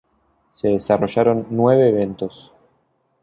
Se desarrollaron nueve eventos.